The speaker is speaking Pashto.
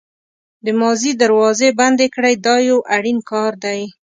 د ماضي دروازې بندې کړئ دا یو اړین کار دی.